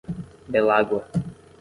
Belágua